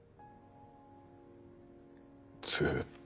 ずっと。